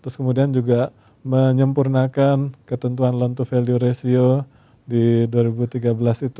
terus kemudian juga menyempurnakan ketentuan loan to value ratio di dua ribu tiga belas itu